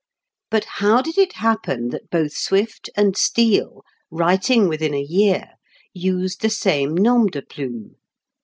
But how did it happen that both Swift and Steele, writing within a year, used the same nom de plume